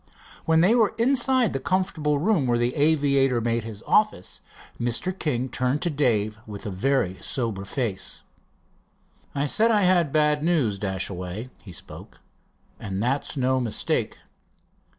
When they were inside the comfortable room where the aviator made his office, Mr. King turned to Dave with a very sober face. "I said I had bad news, Dashaway," he spoke, "and that's no mistake."